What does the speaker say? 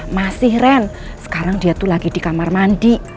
masih ren sekarang dia tuh lagi di kamar mandi